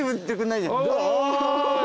おい！